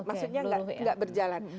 maksudnya tidak berjalan